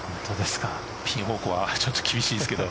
ピン方向はちょっと厳しいですけど。